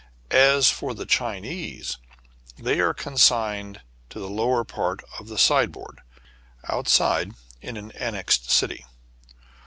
As for the Chinese, they are consigned to the lower part of the sideboard, outside in the an nexed city.